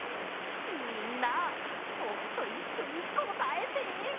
みんなぼくといっしょにこたえて！